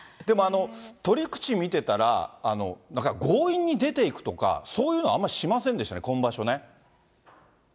でも取り口見てたら、強引に出ていくとか、そういうのあんまりしませんでしたね、今場所ね。